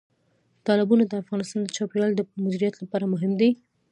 تالابونه د افغانستان د چاپیریال د مدیریت لپاره مهم دي.